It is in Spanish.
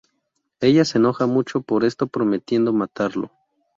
Ella se enoja mucho por esto prometiendo matarlo.